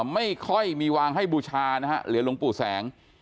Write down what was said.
ไม่ค่อยมีวางให้บูชานะฮะเหรียญหลวงปู่แสง